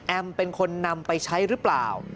เป็นคนนำไปใช้หรือเปล่า